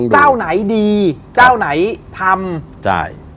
เจ้าไหนดีเจ้าไหนทำใช่